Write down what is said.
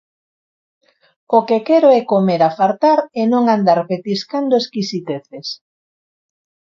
O que quero é comer a fartar e non andar petiscando exquisiteces